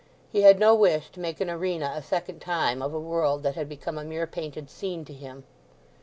He had no wish to make an arena a second time of a world that had become a mere painted scene to him.